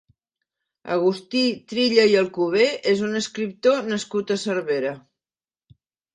Agustí Trilla i Alcover és un escriptor nascut a Cervera.